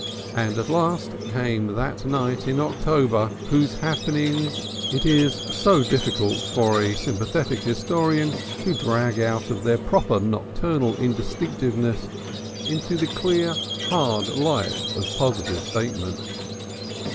And at last came that night in October whose happenings it is so difficult for a sympathetic historian to drag out of their proper nocturnal indistinctness into the clear, hard light of positive statement.